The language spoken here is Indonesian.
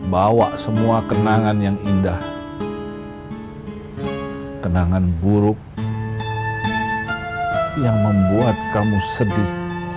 bawa semua kenangan yang indah kenangan buruk yang membuat kamu sedih